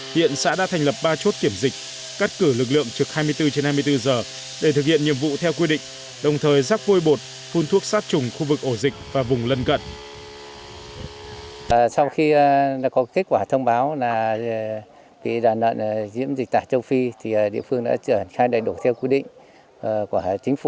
hiện xã đã thành lập ba chốt kiểm dịch cắt cử lực lượng trực hai mươi bốn trên hai mươi bốn giờ để thực hiện nhiệm vụ theo quy định